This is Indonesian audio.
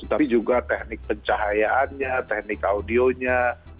tapi juga teknik pencahayaannya teknik audionya